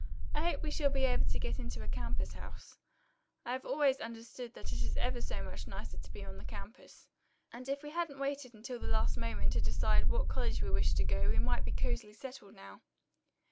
I hope we shall be able to get into a campus house. I have always understood that it is ever so much nicer to be on the campus. We really should have made arrangements before hand, and if we hadn't waited until the last moment to decide to what college we wished to go we might be cosily settled now."